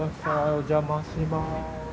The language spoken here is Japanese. お邪魔します。